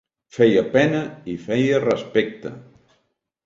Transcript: Feia pena i feia respecte